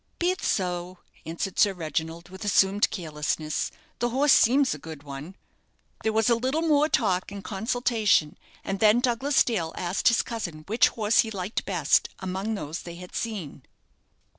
"Be it so," answered Sir Reginald, with assumed carelessness; "the horse seems a good one." There was a little more talk and consultation, and then Douglas Dale asked his cousin which horse he liked best among those they had seen.